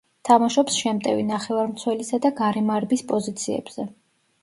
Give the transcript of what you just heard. თამაშობს შემტევი ნახევარმცველისა და გარემარბის პოზიციებზე.